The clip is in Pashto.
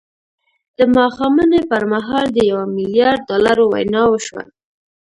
د ماښامنۍ پر مهال د يوه ميليارد ډالرو وينا وشوه.